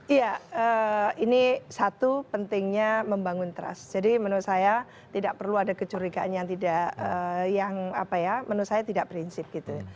iya ini satu pentingnya membangun trust jadi menurut saya tidak perlu ada kecurigaan yang tidak yang apa ya menurut saya tidak prinsip gitu